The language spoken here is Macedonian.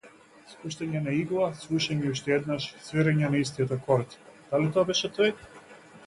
Спуштање на игла, слушање уште еднаш, свирење на истиот акорд, дали тоа беше тој?